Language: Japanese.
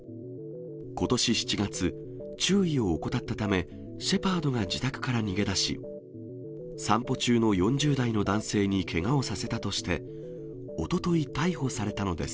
ことし７月、注意を怠ったため、シェパードが自宅から逃げだし、散歩中の４０代の男性にけがをさせたとして、おととい、逮捕されたのです。